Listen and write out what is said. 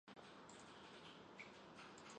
制作者拒绝透露自己的身份。